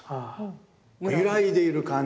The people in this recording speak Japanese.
ゆらいでいる感じ。